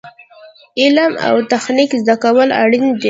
علم او تخنیک زده کول اړین دي